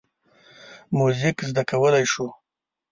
موزیک زده کولی شو.